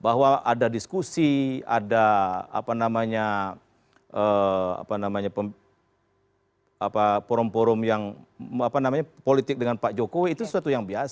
bahwa ada diskusi ada apa namanya apa namanya apa namanya porom porom yang apa namanya politik dengan pak jokowi itu sesuatu yang biasa